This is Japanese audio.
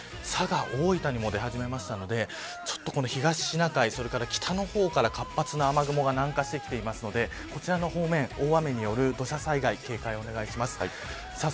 石川県、福岡県佐賀、大分にも出始めましたのでそっと東シナ海、北の方から活発な雨雲が南下してきていますのでこちらの方面、大雨による土砂災害に警戒をお願いします。